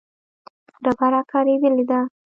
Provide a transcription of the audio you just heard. ډبره کارېدلې ده.